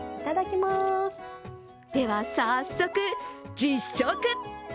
では早速、実食。